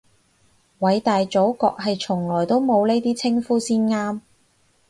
偉大祖國係從來都冇呢啲稱呼先啱